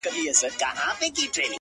عجيب ساز په سمندر کي را ايسار دی-